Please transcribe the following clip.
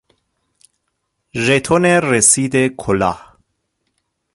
ژتون رسید کلاه